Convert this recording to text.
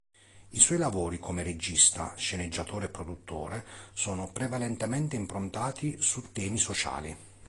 I suoi lavori come regista, sceneggiatore e produttore sono prevalentemente improntati su temi sociali.